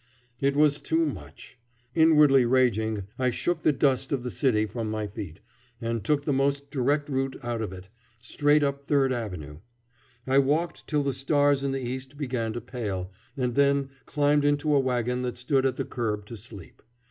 It was too much. Inwardly raging, I shook the dust of the city from my feet, and took the most direct route out of it, straight up Third Avenue. I walked till the stars in the east began to pale, and then climbed into a wagon that stood at the curb to sleep.